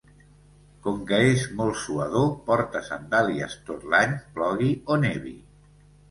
Com que és molt suador porta sandàlies tot l'any, plogui o nevi.